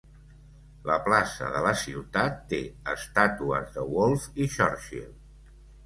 La plaça de la ciutat té estàtues de Wolfe i Churchill.